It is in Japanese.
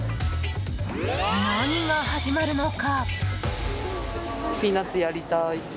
何が始まるのか？